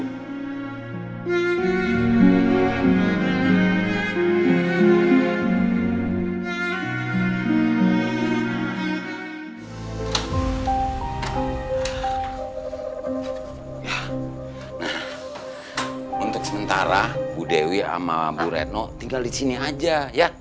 untuk sementara bu dewi sama bu retno tinggal di sini aja ya